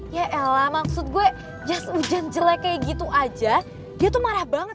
ya ella maksud gue jas hujan jelek kayak gitu aja dia tuh marah banget